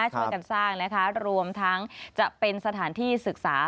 ช่วยกันสร้างนะคะรวมทั้งจะเป็นสถานที่ศึกษา